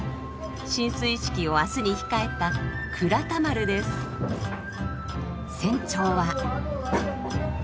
進水式を明日に控えた船長は。